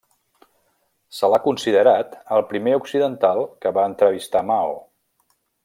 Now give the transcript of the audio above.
Se l'ha considerat el primer occidental que va entrevistar Mao.